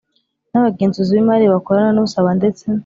n abagenzuzi b imari bakorana n usaba ndetse